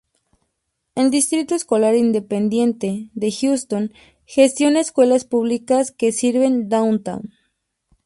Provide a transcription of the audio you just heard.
El Distrito Escolar Independiente de Houston gestiona escuelas públicas que sirven Downtown.